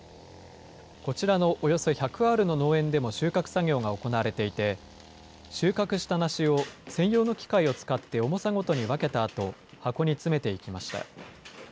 こちらのおよそ１００アールの農園でも収穫作業が行われていて、収穫した梨を専用の機械を使って重さごとに分けたあと、箱に詰めていきました。